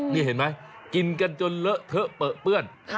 นี่เห็นไหมกินกันจนเลอะเทอะเปลือเปื้อน